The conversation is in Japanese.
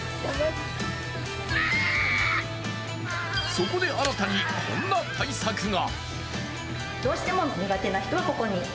そこで新たにこんな対策が。